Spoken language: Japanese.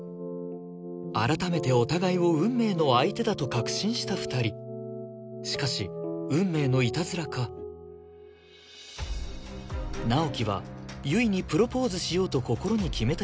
改めてお互いを運命の相手だと確信した２人しかし運命のいたずらか直木は悠依にプロポーズしようと心に決めた